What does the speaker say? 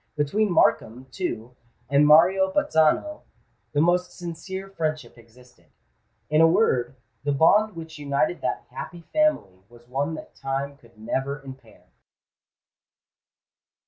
Between Markham, too, and Mario Bazzano the most sincere friendship existed: in a word, the bond which united that happy family was one that time could never impair.